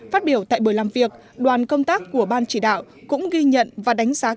phát biểu tại buổi làm việc đoàn công tác của ban chỉ đạo cũng ghi nhận và đánh giá cao cấp ủy